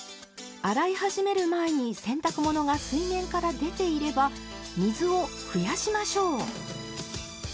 洗い始める前に洗濯物が水面から出ていれば水を増やしましょう。